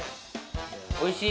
おいしい？